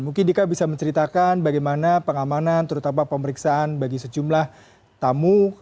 mungkin dika bisa menceritakan bagaimana pengamanan terutama pemeriksaan bagi sejumlah tamu